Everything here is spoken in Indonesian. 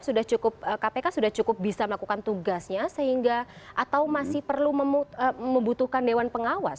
selama ini dpr mengagap kpk sudah cukup bisa melakukan tugasnya sehingga atau masih perlu membutuhkan dewan pengawas